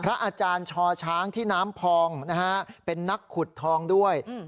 อาจารย์ชอช้างที่น้ำพองนะฮะเป็นนักขุดทองด้วย